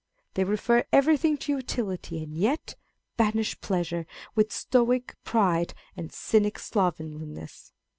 They refer everything to utility, and yet banish pleasure with stoic pride and cynic slovenliness.